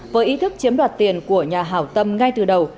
với ý thức chiếm đoạt tiền của nhà hảo tâm ngay từ đầu